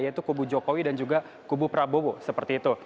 yaitu kubu jokowi dan juga kubu prabowo seperti itu